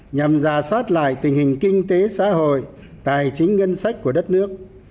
nhằm giả soát lại tình hình kinh tế xã hội tài chính ngân sách của đất nước